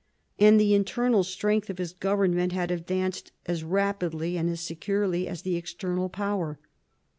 And the internal strength of his government had advanced as rapidly and as securely as the external power.